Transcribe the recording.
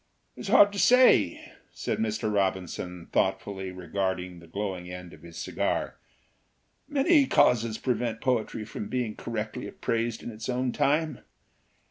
"It's hard to say," said Mr. Robinson, thought fully regarding the glowing end of his cigar. "Many causes prevent poetry from being cor rectly appraised in its own time.